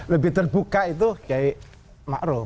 lebih terbuka itu kiai maru